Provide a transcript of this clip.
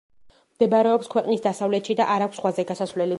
მდებარეობს ქვეყნის დასავლეთში და არ აქვს ზღვაზე გასასვლელი.